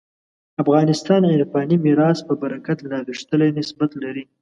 افغانستان عرفاني میراث په برکت لا غښتلی نسبت لري.